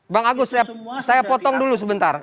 bang agus saya potong dulu sebentar